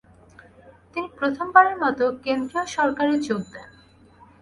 তিনি প্রথমবারের মত কেন্দ্রীয় সরকারে যোগ দেন।